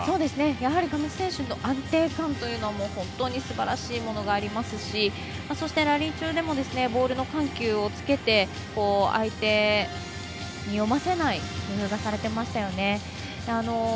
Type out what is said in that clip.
やはり上地選手の安定感はすばらしいですしそしてラリー中でもボールの緩急をつけて相手に読ませない工夫がされていましたね。